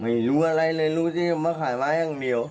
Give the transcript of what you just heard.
ไม่รู้อะไรเลยรู้ที่มาขายไม้อย่างเดียว